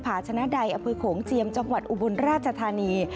หาชนะใดอำเภอโขงเจียมจังหวัดอุบลราชธานี